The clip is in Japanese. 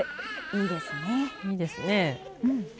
いいですね。